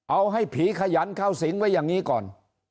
เอาให้ผีขยันเข้าสิงไว้อย่างนี้ก่อน